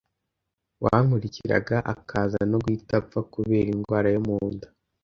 wankurikiraga akaza no guhita apfa kubera indwara yo mu nda